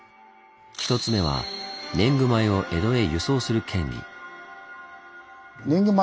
１つ目は年貢米を江戸へ輸送する権利。